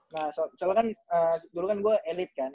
nah soalnya kan dulu kan gue elit kan